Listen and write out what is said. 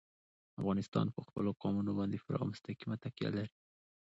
افغانستان په خپلو قومونه باندې پوره او مستقیمه تکیه لري.